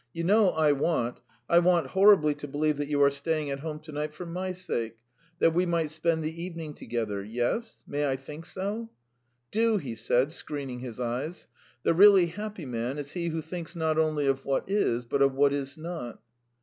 You know I want, I want horribly to believe that you are staying at home to night for my sake ... that we might spend the evening together. Yes? May I think so?" "Do," he said, screening his eyes. "The really happy man is he who thinks not only of what is, but of what is not."